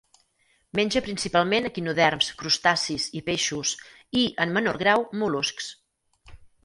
Menja principalment equinoderms, crustacis i peixos, i, en menor grau, mol·luscs.